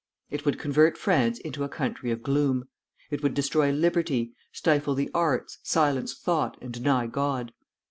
It would convert France into a country of gloom. It would destroy liberty, stifle the arts, silence thought, and deny God.